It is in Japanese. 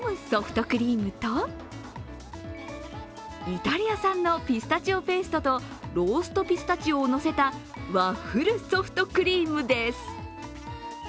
ソフトクリームとイタリア産のピスタチオペーストとローストピスタチオをのせたワッフルソフトクリームです。